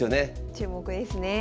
注目ですね。